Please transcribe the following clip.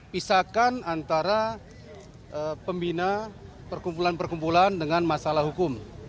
pisahkan antara pembina perkumpulan perkumpulan dengan masalah hukum